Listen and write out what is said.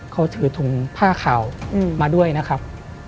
เขาถือถุงผ้าขาวมาด้วยนะครับ